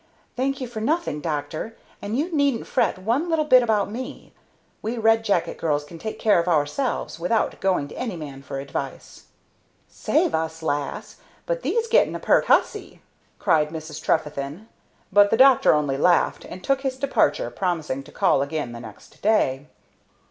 "Thank you, for nothing, doctor, and you needn't fret one little bit about me. We Red Jacket girls can take care of ourselves without going to any man for advice." "Save us, lass, but thee's getting a pert hussy!" cried Mrs. Trefethen; but the doctor only laughed, and took his departure, promising to call again the next day.